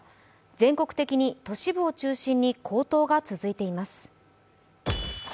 全国的に都市部を中心に高騰が続いています。